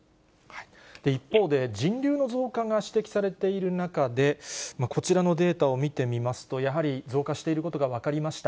一方で、人流の増加が指摘されている中で、こちらのデータを見てみますと、やはり増加していることが分かりました。